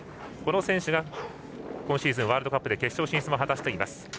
この選手が今シーズンワールドカップで決勝進出を果たしています。